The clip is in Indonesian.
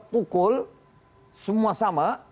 pukul semua sama